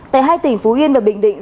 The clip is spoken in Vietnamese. tại hai tỉnh phú yên và bình định